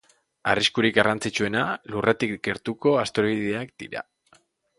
Arriskurik garrantzitsuena, Lurretik gertuko asteroideak dira.